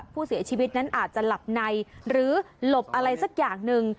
ผู้เสียชีวิตนั้นอาจจะหลับในหรือหลบอะไรสักอย่างหนึ่ง